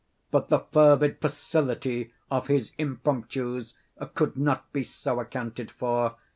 But the fervid facility of his impromptus could not be so accounted for.